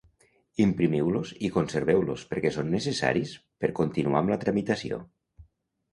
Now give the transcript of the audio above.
Imprimiu-los i conserveu-los perquè són necessaris per continuar amb la tramitació.